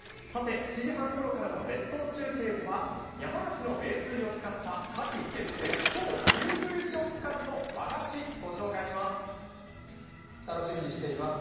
７時市半ごろからの列島中継では山梨の名水を使った夏季限定、超プルプル食感の和菓子、御紹介します。